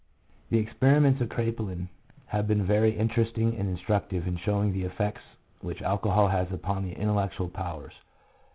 The experiments of Kraepelin have been very interesting and instructive, in showing the effects which alcohol has upon the intellectual powers.